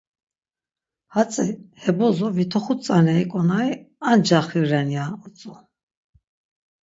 Hatzi he bozo vit̆oxut tzaneri ǩonari ancaxi ren, ya utzu.